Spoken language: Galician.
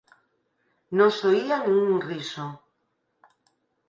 Non se oía nin un riso.